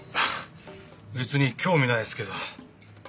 別に興味ないですけど。